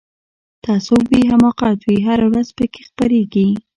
تعصب وي حماقت وي هره ورځ پکښی خپریږي